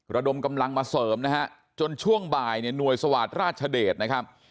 ระดมกำลังมาเสริมนะฮะจนช่วงบ่ายเนี่ยหน่วยสวาสราชเดชนะครับ